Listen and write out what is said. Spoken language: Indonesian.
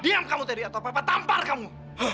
diam kamu tadi atau papa tampar kamu